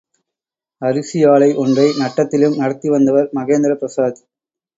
அரிசி ஆலை ஒன்றை நட்டத்திலும் நடத்தி வந்தவர் மகேந்திர பிரசாத்.